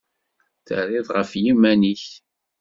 Terrid ɣef yiman-nnek.